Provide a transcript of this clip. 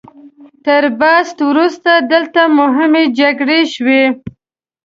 تر بعثت وروسته دلته مهمې جګړې شوي.